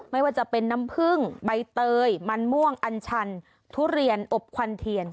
ไม่ว่าจะเป็นน้ำผึ้งใบเตยมันม่วงอันชันทุเรียนอบควันเทียน